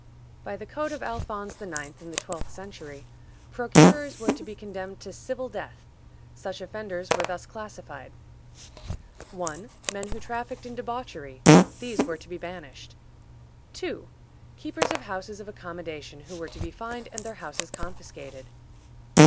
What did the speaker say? By the code of Alphonse IX., in the twelfth century, procurers were to be condemned to "civil death." Such offenders were thus classified: 1. Men who trafficked in debauchery; these were to be banished. 2. Keepers of houses of accommodation, who were to be fined, and their houses confiscated.